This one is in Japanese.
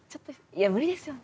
いや無理ですよね。